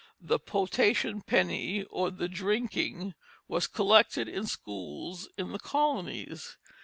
The "potation penny," or "the drinking," was collected in schools in the colonies.